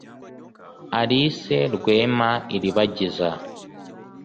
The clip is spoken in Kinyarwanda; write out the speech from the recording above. Alice Rwema Ilibagiza